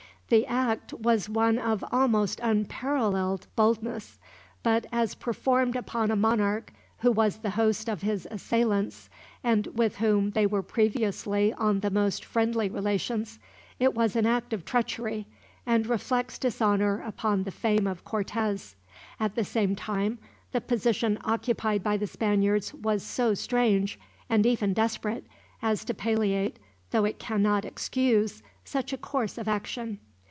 The act was one of almost unparalleled boldness; but as performed upon a monarch who was the host of his assailants, and with whom they were previously on the most friendly relations, it was an act of treachery, and reflects dishonor upon the fame of Cortez. At the same time, the position occupied by the Spaniards was so strange, and even desperate, as to palliate, though it cannot excuse, such a course of action.